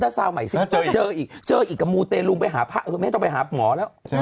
แล้วเจออีกกะมูเตรียร์ลุ้งไปหามันต้องไปหาหมอแล้ว